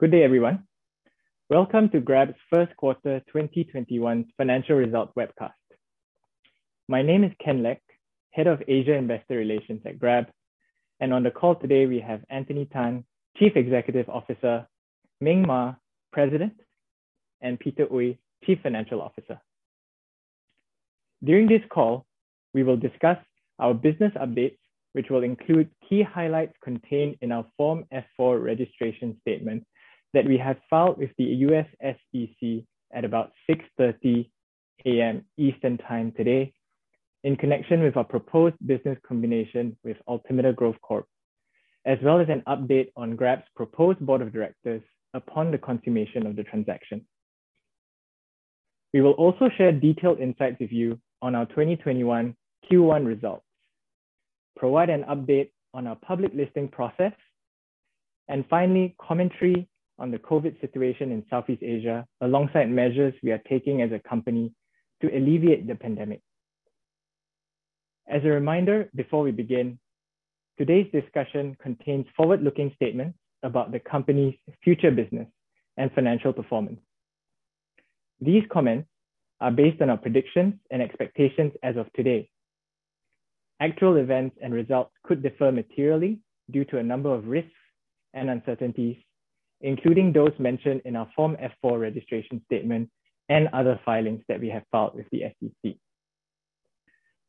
Good day, everyone. Welcome to Grab's first quarter 2021 financial result webcast. My name is Ken Lek, Head of Asia Investor Relations at Grab. On the call today we have Anthony Tan, Chief Executive Officer, Ming Maa, President, and Peter Oey, Chief Financial Officer. During this call, we will discuss our business updates, which will include key highlights contained in our Form F-4 registration statement that we have filed with the U.S. SEC at about 6:30 A.M. Eastern time today in connection with our proposed business combination with Altimeter Growth Corp, as well as an update on Grab's proposed board of directors upon the consummation of the transaction. We will also share detailed insights with you on our 2021 Q1 results, provide an update on our public listing process, and finally, commentary on the COVID situation in Southeast Asia, alongside measures we are taking as a company to alleviate the pandemic. As a reminder, before we begin, today's discussion contains forward-looking statements about the company's future business and financial performance. These comments are based on our predictions and expectations as of today. Actual events and results could differ materially due to a number of risks and uncertainties, including those mentioned in our Form F-4 registration statement and other filings that we have filed with the SEC.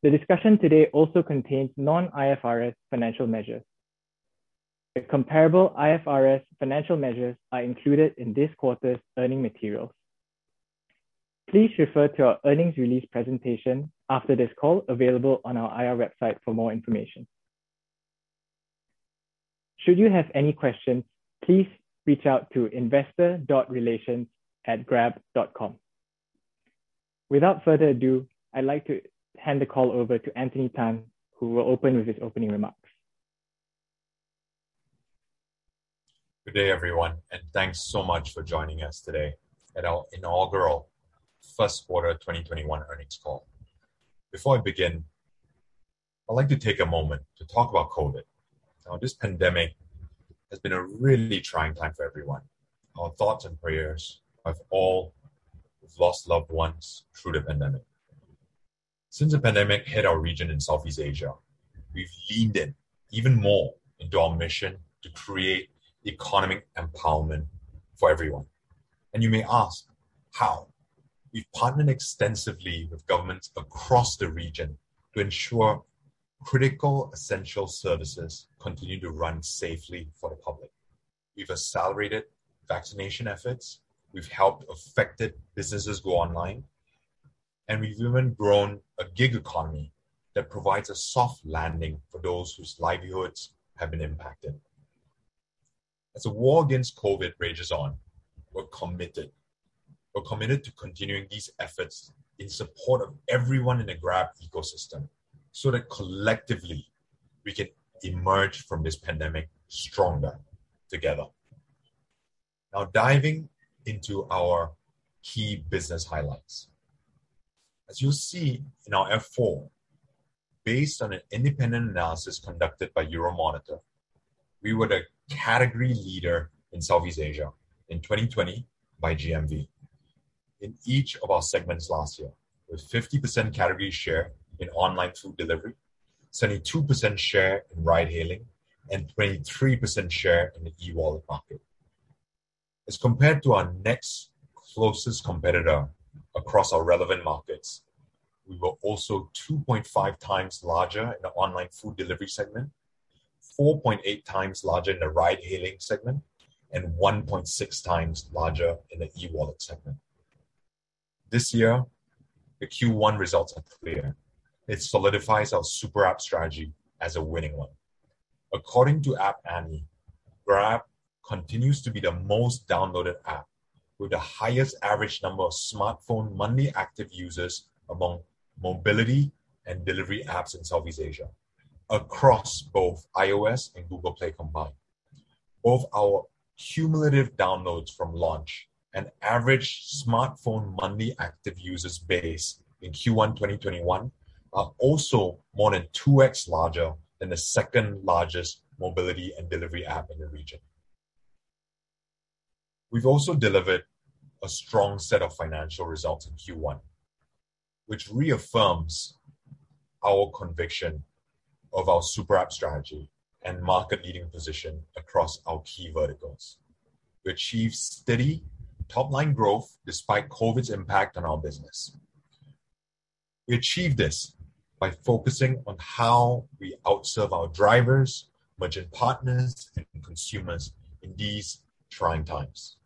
The discussion today also contains non-IFRS financial measures. The comparable IFRS financial measures are included in this quarter's earning materials. Please refer to our earnings release presentation after this call, available on our IR website for more information. Should you have any questions, please reach out to investor.relations@grab.com. Without further ado, I'd like to hand the call over to Anthony Tan, who will open with his opening remarks. Good day, everyone. Thanks so much for joining us today at our inaugural first quarter 2021 earnings call. Before I begin, I'd like to take a moment to talk about COVID. This pandemic has been a really trying time for everyone. Our thoughts and prayers are with all who've lost loved ones through the pandemic. Since the pandemic hit our region in Southeast Asia, we've leaned in even more into our mission to create economic empowerment for everyone. You may ask how. We've partnered extensively with governments across the region to ensure critical, essential services continue to run safely for the public. We've accelerated vaccination efforts, we've helped affected businesses go online, and we've even grown a gig economy that provides a soft landing for those whose livelihoods have been impacted. As the war against COVID rages on, we're committed. We're committed to continuing these efforts in support of everyone in the Grab ecosystem so that collectively we can emerge from this pandemic stronger together. Now diving into our key business highlights. As you'll see in our F-4, based on an independent analysis conducted by Euromonitor, we were the category leader in Southeast Asia in 2020 by GMV in each of our segments last year with 50% category share in online food delivery, 72% share in ride hailing, and 23% share in the e-wallet market. As compared to our next closest competitor across our relevant markets, we were also 2.5x larger in the online food Deliveries segment, 4.8x larger in the ride hailing segment, and 1.6x larger in the e-wallet segment. This year, the Q1 results are clear. It solidifies our superapp strategy as a winning one. According to App Annie, Grab continues to be the most downloaded app with the highest average number of smartphone monthly active users among Mobility and Deliveries apps in Southeast Asia across both iOS and Google Play combined. Both our cumulative downloads from launch and average smartphone monthly active users base in Q1 2021 are also more than 2x larger than the second-largest Mobility and Deliveries app in the region. We've also delivered a strong set of financial results in Q1, which reaffirms our conviction of our superapp strategy and market-leading position across our key verticals. We achieved steady top-line growth despite COVID's impact on our business. We achieved this by focusing on how we out-serve our drivers, merchant partners, and consumers in these trying times.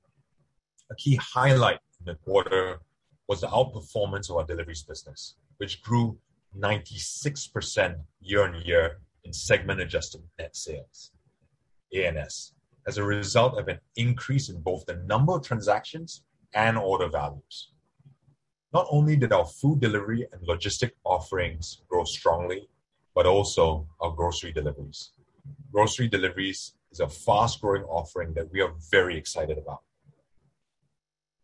A key highlight in the quarter was the outperformance of our Deliveries business, which grew 96% year-on-year in Segment Adjusted Net Sales, ANS, as a result of an increase in both the number of transactions and order values. Not only did our food delivery and logistic offerings grow strongly, but also our grocery deliveries. Grocery deliveries is a fast-growing offering that we are very excited about.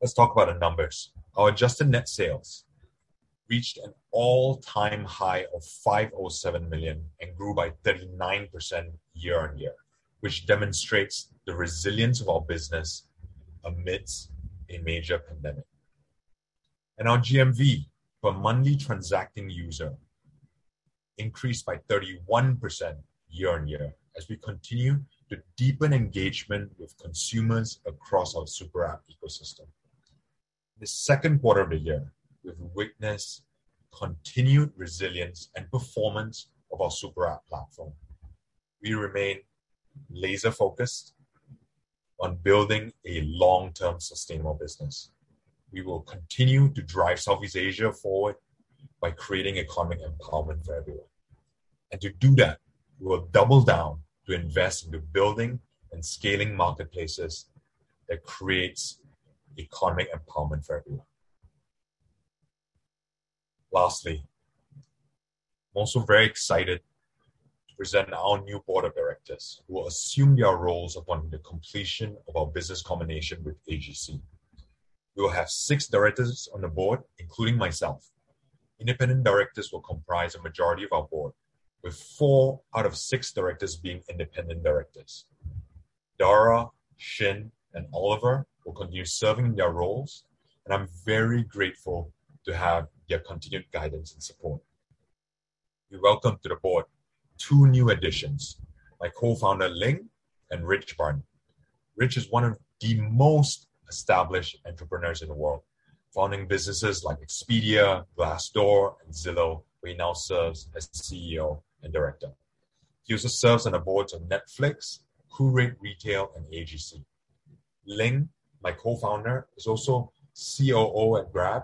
Let's talk about the numbers. Our Adjusted Net Sales reached an all-time high of $507 million and grew by 39% year-on-year, which demonstrates the resilience of our business amidst a major pandemic. Our GMV per monthly transacting user increased by 31% year-on-year as we continue to deepen engagement with consumers across our superapp ecosystem. In the second quarter of the year, we've witnessed continued resilience and performance of our superapp platform. We remain laser-focused on building a long-term sustainable business. We will continue to drive Southeast Asia forward by creating economic empowerment for everyone. To do that, we will double down to invest into building and scaling marketplaces that creates economic empowerment for everyone. Lastly, I'm also very excited to present our new Board of Directors who will assume their roles upon the completion of our business combination with AGC. We will have six directors on the Board, including myself. Independent directors will comprise a majority of our board, with four out of six directors being independent directors. Dara, Shin, and Oliver will continue serving in their roles, and I'm very grateful to have their continued guidance and support. We welcome to the board 2 new additions, my co-founder, Ling, and Rich Barton. Rich is one of the most established entrepreneurs in the world, founding businesses like Expedia, Glassdoor, and Zillow, where he now serves as the CEO and director. He also serves on the Boards of Netflix, Qurate Retail, and AGC. Ling, my co-founder, is also COO at Grab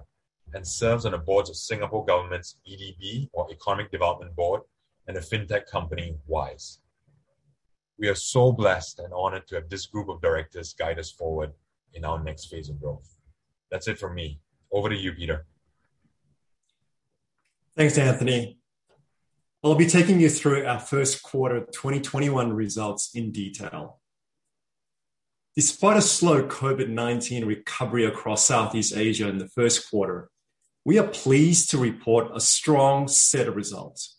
and serves on the Boards of Singapore government's EDB, or Economic Development Board, and a fintech company, Wise. We are so blessed and honored to have this group of directors guide us forward in our next phase of growth. That's it from me. Over to you, Peter. Thanks, Anthony. I'll be taking you through our first quarter 2021 results in detail. Despite a slow COVID-19 recovery across Southeast Asia in the first quarter, we are pleased to report a strong set of results,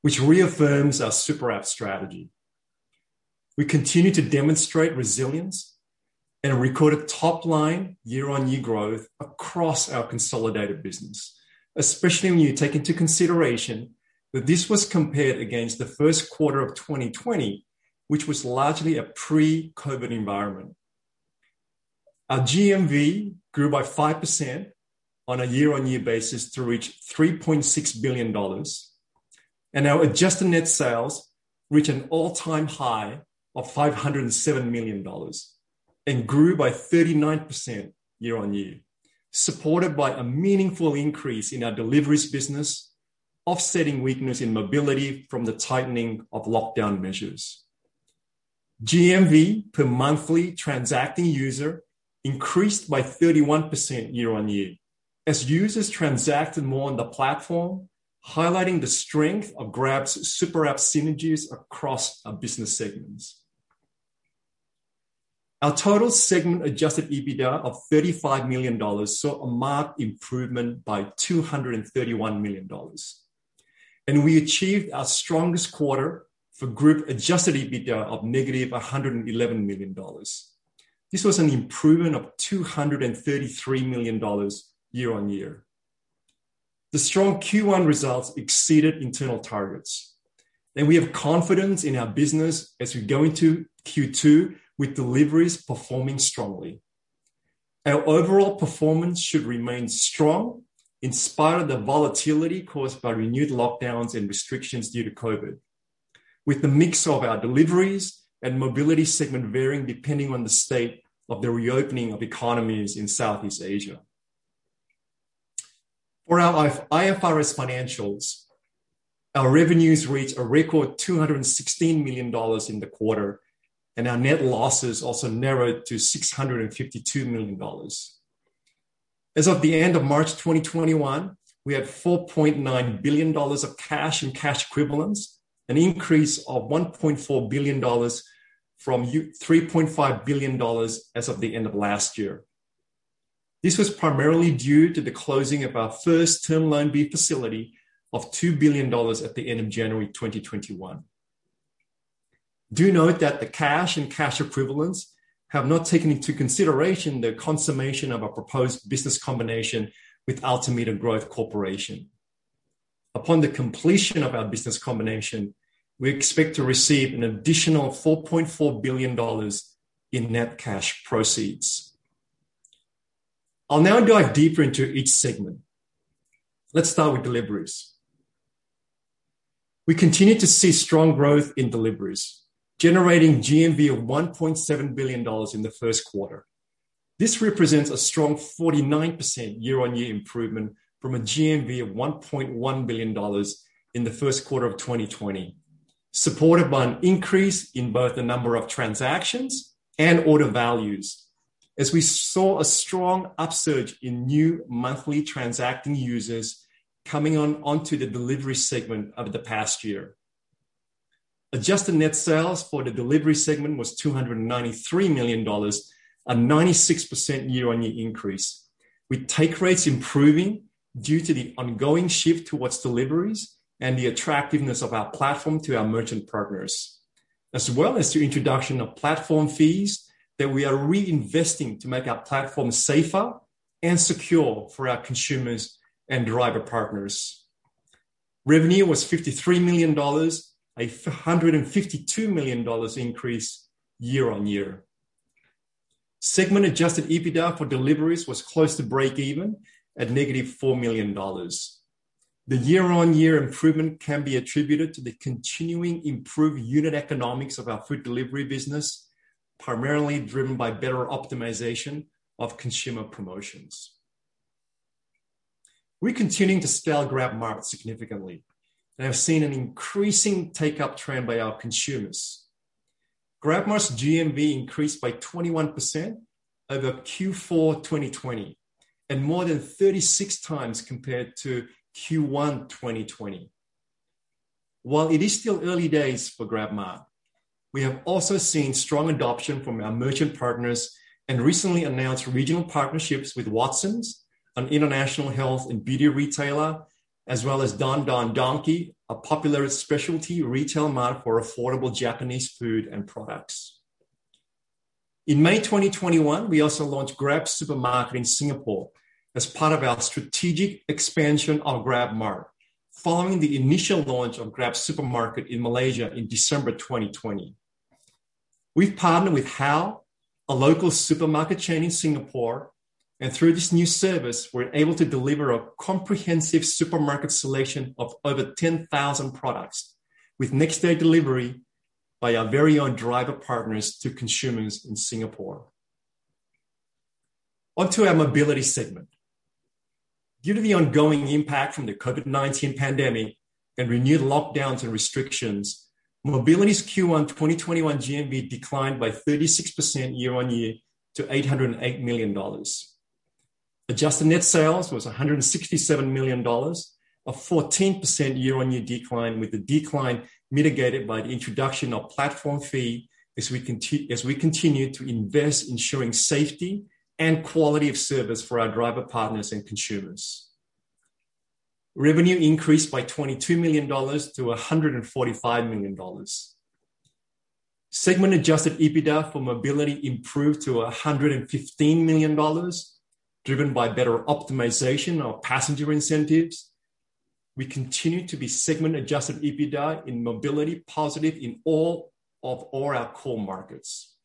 which reaffirms our superapp strategy. We continue to demonstrate resilience and a recorded top line year-on-year growth across our consolidated business, especially when you take into consideration that this was compared against the first quarter of 2020, which was largely a pre-COVID environment. Our GMV grew by 5% on a year-on-year basis to reach $3.6 billion. Our Adjusted Net Sales reached an all-time high of $507 million and grew by 39% year-on-year, supported by a meaningful increase in our Deliveries business, offsetting weakness in Mobility from the tightening of lockdown measures. GMV per monthly transacting user increased by 31% year-on-year as users transacted more on the platform, highlighting the strength of Grab's superapp synergies across our business segments. Our total Segment Adjusted EBITDA of $35 million saw a marked improvement by $231 million. We achieved our strongest quarter for Group Adjusted EBITDA of -$111 million. This was an improvement of $233 million year on year. The strong Q1 results exceeded internal targets, and we have confidence in our business as we go into Q2 with Deliveries performing strongly. Our overall performance should remain strong in spite of the volatility caused by renewed lockdowns and restrictions due to COVID, with the mix of our Deliveries and Mobility segment varying depending on the state of the reopening of economies in Southeast Asia. For our IFRS financials, our revenues reached a record $216 million in the quarter, and our net losses also narrowed to $652 million. As of the end of March 2021, we had $4.9 billion of cash and cash equivalents, an increase of $1.4 billion from $3.5 billion as of the end of last year. This was primarily due to the closing of our first Term Loan B facility of $2 billion at the end of January 2021. Do note that the cash and cash equivalents have not taken into consideration the consummation of our proposed business combination with Altimeter Growth Corporation. Upon the completion of our business combination, we expect to receive an additional $4.4 billion in net cash proceeds. I'll now dive deeper into each segment. Let's start with Deliveries. We continue to see strong growth in Deliveries, generating GMV of $1.7 billion in the first quarter. This represents a strong 49% year-on-year improvement from a GMV of $1.1 billion in the first quarter of 2020, supported by an increase in both the number of transactions and order values as we saw a strong upsurge in new monthly transacting users coming onto the Deliveries segment over the past year. Adjusted Net Sales for the Deliveries segment was $293 million, a 96% year-on-year increase, with take rates improving due to the ongoing shift towards deliveries and the attractiveness of our platform to our merchant partners, as well as the introduction of platform fees that we are reinvesting to make our platform safer and secure for our consumers and driver-partners. Revenue was $53 million, a $152 million increase year-on-year. Segment Adjusted EBITDA for Deliveries was close to break-even at -$4 million. The year-on-year improvement can be attributed to the continuing improved unit economics of our food delivery business, primarily driven by better optimization of consumer promotions. We're continuing to scale GrabMart significantly and have seen an increasing take-up trend by our consumers. GrabMart's GMV increased by 21% over Q4 2020, and more than 36x compared to Q1 2020. While it is still early days for GrabMart, we have also seen strong adoption from our merchant partners and recently announced regional partnerships with Watsons, an international health and beauty retailer, as well as Don Don Donki, a popular specialty retail mart for affordable Japanese food and products. In May 2021, we also launched GrabSupermarket in Singapore as part of our strategic expansion of GrabMart, following the initial launch of GrabSupermarket in Malaysia in December 2020. We've partnered with HAO, a local supermarket chain in Singapore, and through this new service, we're able to deliver a comprehensive supermarket selection of over 10,000 products with next-day delivery by our very own driver partners to consumers in Singapore. Onto our Mobility segment. Due to the ongoing impact from the COVID-19 pandemic and renewed lockdowns and restrictions, Mobility's Q1 2021 GMV declined by 36% year-on-year to $808 million. Adjusted Net Sales was $167 million, a 14% year-on-year decline, with the decline mitigated by the introduction of platform fees as we continue to invest in ensuring safety and quality of service for our driver partners and consumers. Revenue increased by $22 million-$145 million. Segment Adjusted EBITDA for Mobility improved to $115 million, driven by better optimization of passenger incentives. We continue to be Segment Adjusted EBITDA in Mobility positive in all of our core markets.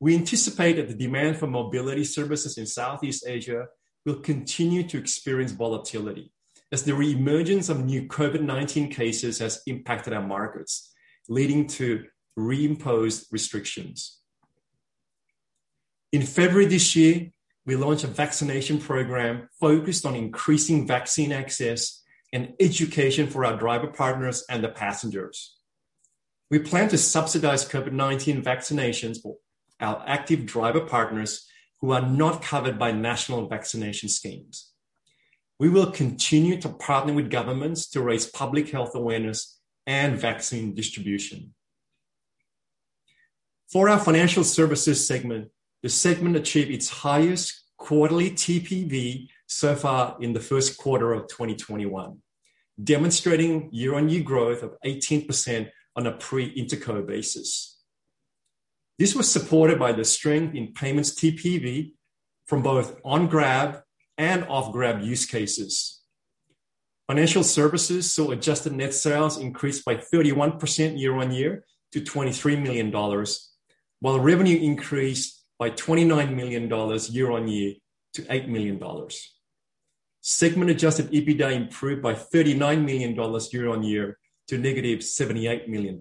We anticipate that the demand for Mobility services in Southeast Asia will continue to experience volatility as the reemergence of new COVID-19 cases has impacted our markets, leading to reimposed restrictions. In February this year, we launched a vaccination program focused on increasing vaccine access and education for our driver-partners and the passengers. We plan to subsidize COVID-19 vaccinations for our active driver-partners who are not covered by national vaccination schemes. We will continue to partner with governments to raise public health awareness and vaccine distribution. For our Financial Services segment, the segment achieved its highest quarterly TPV so far in the first quarter of 2021, demonstrating year-on-year growth of 18% on a pre-interco basis. This was supported by the strength in payments TPV from both on-Grab and off-Grab use cases. Financial services saw Adjusted Net Sales increase by 31% year-on-year to $23 million, while revenue increased by $29 million year-on-year to $8 million. Segment Adjusted EBITDA improved by $39 million year-on-year to -$78 million.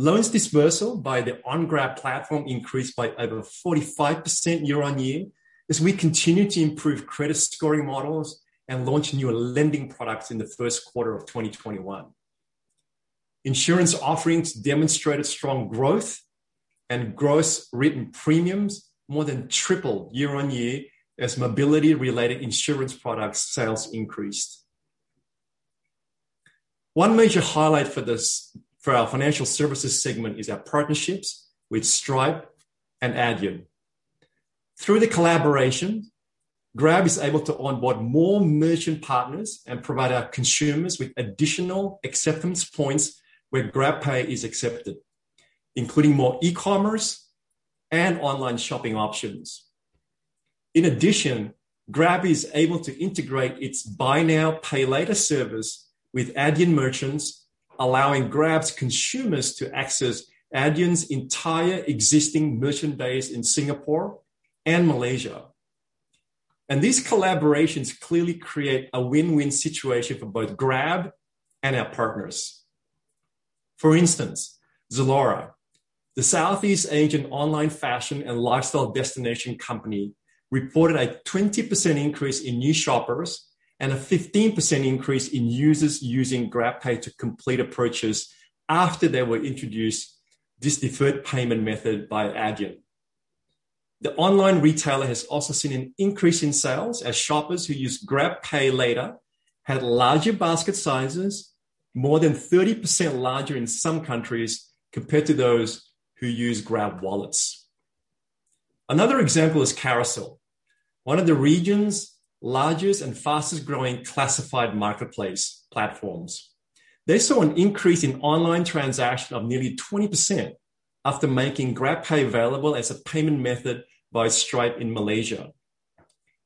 Loans disbursal by the on-Grab platform increased by over 45% year-on-year as we continue to improve credit scoring models and launch newer lending products in the first quarter of 2021. Insurance offerings demonstrated strong growth and gross written premiums more than tripled year-on-year as mobility-related insurance product sales increased. One major highlight for our Financial Services segment is our partnerships with Stripe and Adyen. Through the collaboration, Grab is able to onboard more merchant partners and provide our consumers with additional acceptance points where GrabPay is accepted, including more e-commerce and online shopping options. In addition, Grab is able to integrate its Buy Now, Pay Later service with Adyen merchants, allowing Grab's consumers to access Adyen's entire existing merchant base in Singapore and Malaysia. These collaborations clearly create a win-win situation for both Grab and our partners. For instance, Zalora, the Southeast Asian online fashion and lifestyle destination company, reported a 20% increase in new shoppers and a 15% increase in users using GrabPay to complete a purchase after they were introduced this deferred payment method by Adyen. The online retailer has also seen an increase in sales as shoppers who use GrabPay Later had larger basket sizes, more than 30% larger in some countries, compared to those who use Grab wallets. Another example is Carousell, one of the region's largest and fastest-growing classified marketplace platforms. They saw an increase in online transaction of nearly 20% after making GrabPay available as a payment method via Stripe in Malaysia.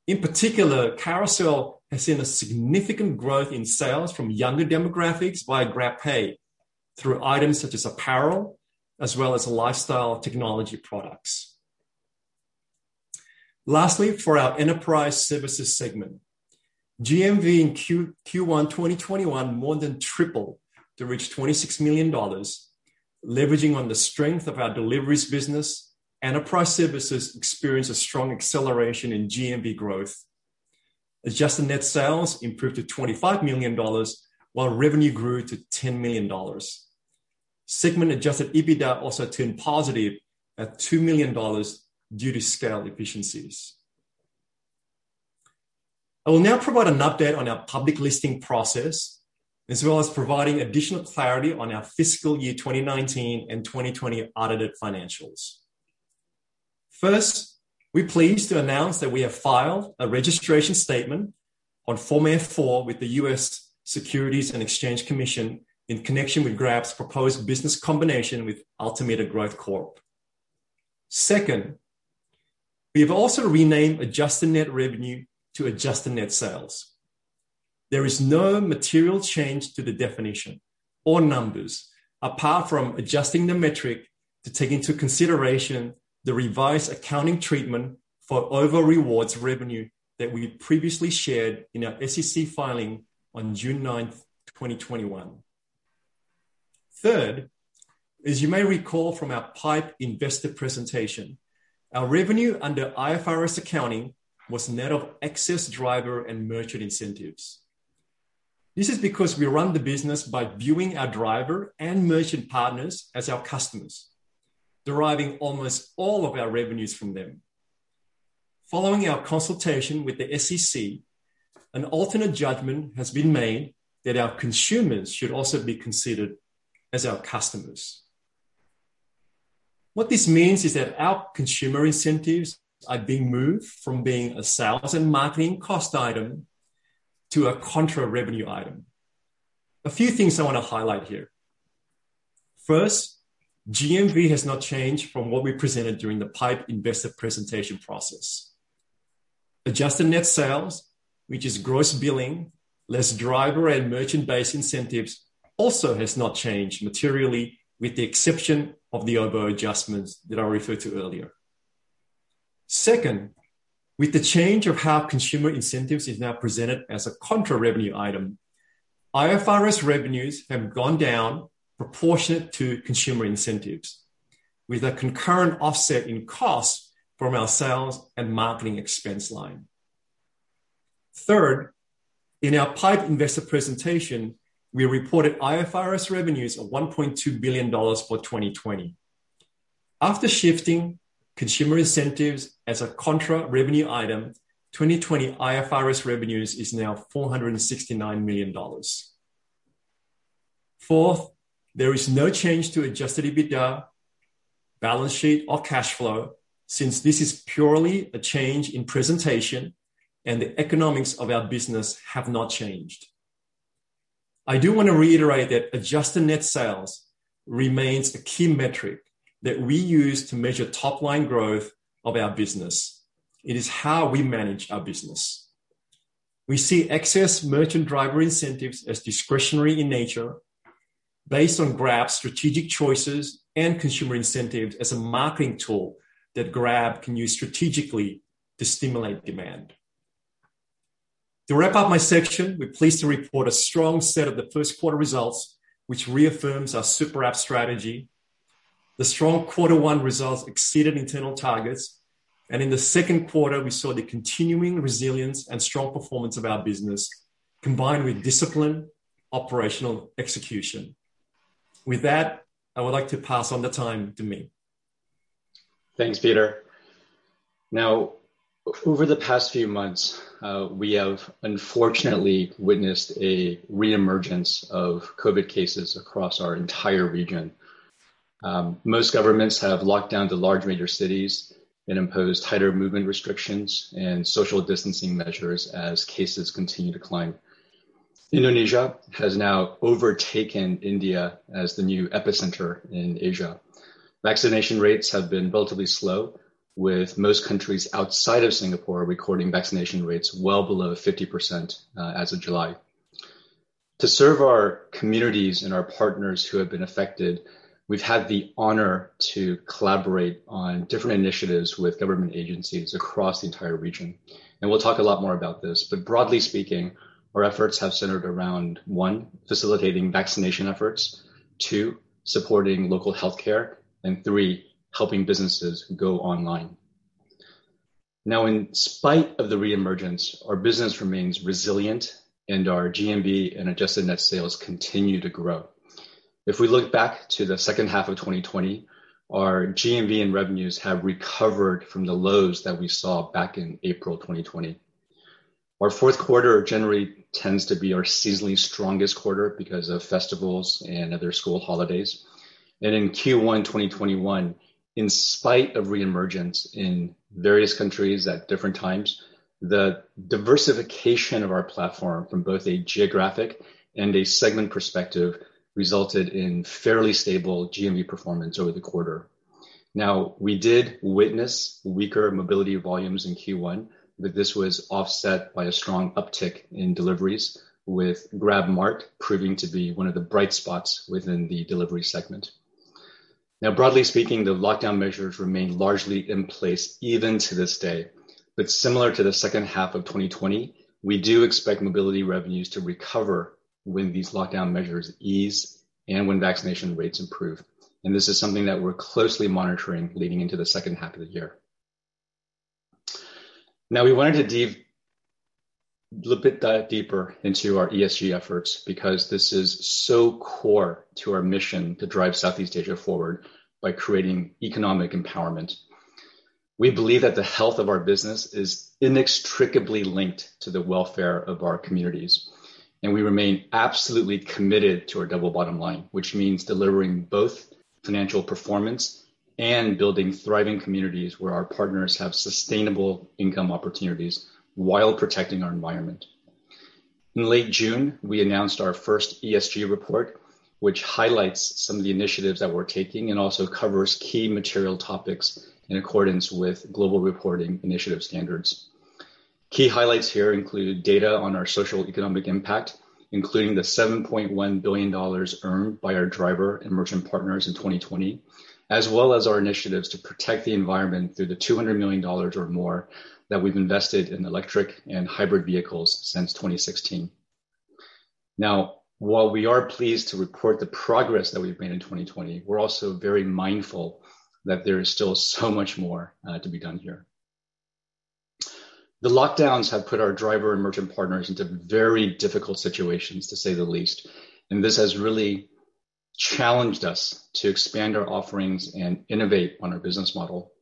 In particular, Carousell has seen a significant growth in sales from younger demographics via GrabPay through items such as apparel, as well as lifestyle technology products. Lastly, for our Enterprise Services segment, GMV in Q1 2021 more than tripled to reach $26 million. Leveraging on the strength of our Deliveries business and Enterprise Services experienced a strong acceleration in GMV growth. Adjusted Net Sales improved to $25 million, while revenue grew to $10 million. Segment Adjusted EBITDA also turned positive at $2 million due to scale efficiencies. I will now provide an update on our public listing process, as well as providing additional clarity on our fiscal year 2019 and 2020 audited financials. We're pleased to announce that we have filed a registration statement on Form F-4 with the U.S. Securities and Exchange Commission in connection with Grab's proposed business combination with Altimeter Growth Corp. We have also renamed Adjusted Net Revenue to Adjusted Net Sales. There is no material change to the definition or numbers, apart from adjusting the metric to take into consideration the revised accounting treatment for OVO rewards revenue that we had previously shared in our SEC filing on June 9th, 2021. Third, as you may recall from our PIPE investor presentation, our revenue under IFRS accounting was net of excess driver and merchant incentives. This is because we run the business by viewing our driver and merchant partners as our customers, deriving almost all of our revenues from them. Following our consultation with the SEC, an alternate judgment has been made that our consumers should also be considered as our customers. What this means is that our consumer incentives are being moved from being a sales and marketing cost item to a contra-revenue item. A few things I want to highlight here. First, GMV has not changed from what we presented during the PIPE investor presentation process. Adjusted Net Sales, which is gross billing, less driver and merchant-based incentives, also has not changed materially with the exception of the OVO adjustments that I referred to earlier. Second, with the change of how consumer incentives is now presented as a contra-revenue item, IFRS revenues have gone down proportionate to consumer incentives, with a concurrent offset in cost from our sales and marketing expense line. Third, in our PIPE investor presentation, we reported IFRS revenues of $1.2 billion for 2020. After shifting consumer incentives as a contra revenue item, 2020 IFRS revenues is now $469 million. Fourth, there is no change to adjusted EBITDA, balance sheet, or cash flow, since this is purely a change in presentation and the economics of our business have not changed. I do want to reiterate that Adjusted Net Sales remains a key metric that we use to measure top-line growth of our business. It is how we manage our business. We see excess merchant driver incentives as discretionary in nature based on Grab's strategic choices and consumer incentives as a marketing tool that Grab can use strategically to stimulate demand. To wrap up my section, we're pleased to report a strong set of the first quarter results, which reaffirms our superapp strategy. The strong quarter one results exceeded internal targets. In the second quarter, we saw the continuing resilience and strong performance of our business, combined with disciplined operational execution. With that, I would like to pass on the time to Ming. Thanks, Peter. Over the past few months, we have unfortunately witnessed a reemergence of COVID cases across our entire region. Most governments have locked down the large major cities and imposed tighter movement restrictions and social distancing measures as cases continue to climb. Indonesia has now overtaken India as the new epicenter in Asia. Vaccination rates have been relatively slow, with most countries outside of Singapore recording vaccination rates well below 50% as of July. To serve our communities and our partners who have been affected, we've had the honor to collaborate on different initiatives with government agencies across the entire region. We'll talk a lot more about this. Broadly speaking, our efforts have centered around, one, facilitating vaccination efforts, two, supporting local healthcare, and three, helping businesses go online. In spite of the reemergence, our business remains resilient, and our GMV and Adjusted Net Sales continue to grow. If we look back to the second half of 2020, our GMV and revenues have recovered from the lows that we saw back in April 2020. Our fourth quarter generally tends to be our seasonally strongest quarter because of festivals and other school holidays. In Q1 2021, in spite of reemergence in various countries at different times, the diversification of our platform from both a geographic and a segment perspective resulted in fairly stable GMV performance over the quarter. We did witness weaker Mobility volumes in Q1, but this was offset by a strong uptick in Deliveries, with GrabMart proving to be one of the bright spots within the Deliveries segment. Broadly speaking, the lockdown measures remain largely in place even to this day. Similar to the second half of 2020, we do expect Mobility revenues to recover when these lockdown measures ease and when vaccination rates improve. This is something that we're closely monitoring leading into the second half of the year. We wanted to dive deeper into our ESG efforts because this is so core to our mission to drive Southeast Asia forward by creating economic empowerment. We believe that the health of our business is inextricably linked to the welfare of our communities, and we remain absolutely committed to our double bottom line, which means delivering both financial performance and building thriving communities where our partners have sustainable income opportunities while protecting our environment. In late June, we announced our first ESG report, which highlights some of the initiatives that we're taking and also covers key material topics in accordance with Global Reporting Initiative Standards. Key highlights here include data on our social economic impact, including the $7.1 billion earned by our driver and merchant partners in 2020, as well as our initiatives to protect the environment through the $200 million or more that we've invested in electric and hybrid vehicles since 2016. While we are pleased to report the progress that we've made in 2020, we're also very mindful that there is still so much more to be done here. The lockdowns have put our driver and merchant partners into very difficult situations to say the least, and this has really challenged us to expand our offerings and innovate on our business model.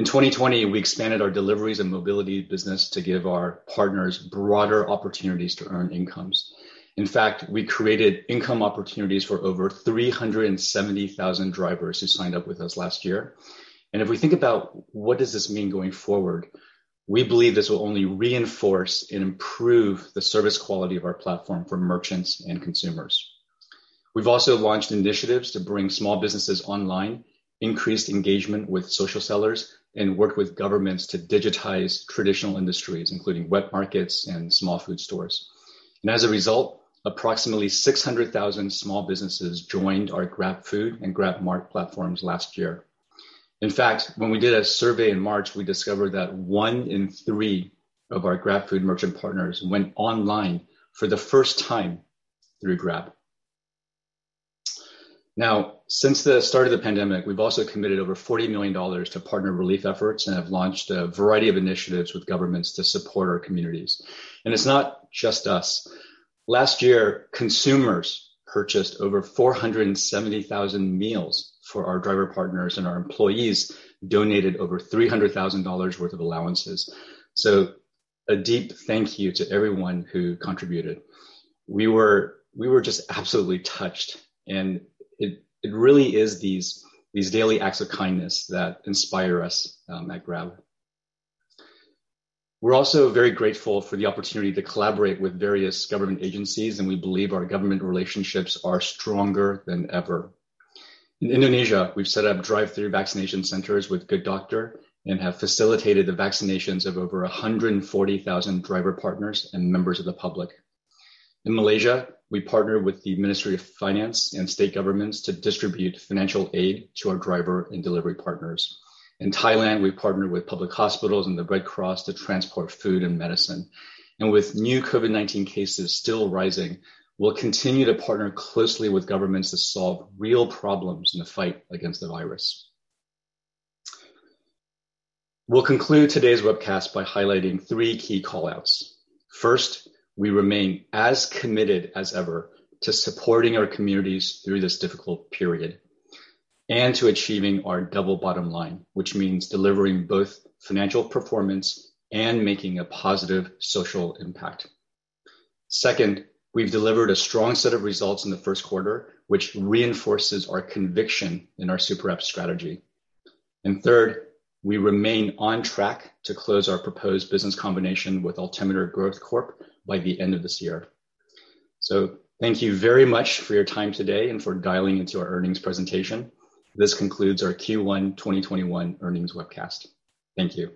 In 2020, we expanded our Deliveries and Mobility business to give our partners broader opportunities to earn incomes. In fact, we created income opportunities for over 370,000 drivers who signed up with us last year. If we think about what does this mean going forward, we believe this will only reinforce and improve the service quality of our platform for merchants and consumers. We've also launched initiatives to bring small businesses online, increased engagement with social sellers, and worked with governments to digitize traditional industries, including wet markets and small food stores. As a result, approximately 600,000 small businesses joined our GrabFood and GrabMart platforms last year. In fact, when we did a survey in March, we discovered that one in three of our GrabFood merchant partners went online for the first time through Grab. Since the start of the pandemic, we've also committed over $40 million to partner relief efforts and have launched a variety of initiatives with governments to support our communities. It's not just us. Last year, consumers purchased over 470,000 meals for our driver partners and our employees donated over $300,000 worth of allowances. A deep thank you to everyone who contributed. We were just absolutely touched, and it really is these daily acts of kindness that inspire us at Grab. We're also very grateful for the opportunity to collaborate with various government agencies, and we believe our government relationships are stronger than ever. In Indonesia, we've set up drive-thru vaccination centers with Good Doctor and have facilitated the vaccinations of over 140,000 driver partners and members of the public. In Malaysia, we partner with the Ministry of Finance and state governments to distribute financial aid to our driver and delivery partners. In Thailand, we partner with public hospitals and the Red Cross to transport food and medicine. With new COVID-19 cases still rising, we'll continue to partner closely with governments to solve real problems in the fight against the virus. We'll conclude today's webcast by highlighting three key call-outs. First, we remain as committed as ever to supporting our communities through this difficult period and to achieving our double bottom line, which means delivering both financial performance and making a positive social impact. Second, we've delivered a strong set of results in the first quarter, which reinforces our conviction in our superapp strategy. Third, we remain on track to close our proposed business combination with Altimeter Growth Corp by the end of this year. Thank you very much for your time today and for dialing into our earnings presentation. This concludes our Q1 2021 earnings webcast. Thank you.